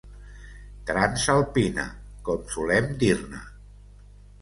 Transalpina, com solem dir-ne.